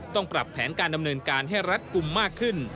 ต้องปรับแผนการดำเนินการให้รัฐกลุ่มมากขึ้น